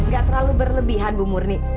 gak terlalu berlebihan bu murni